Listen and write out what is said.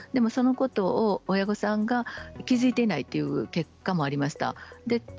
そのことに親御さんが気付いていないという結果もありました。